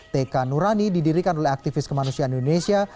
tk nurani didirikan oleh aktivis kemanusiaan indonesia